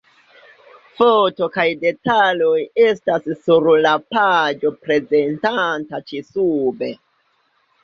Foto kaj detaloj estas sur la paĝo prezentata ĉi-sube.